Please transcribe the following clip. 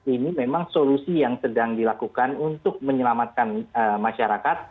ini memang solusi yang sedang dilakukan untuk menyelamatkan masyarakat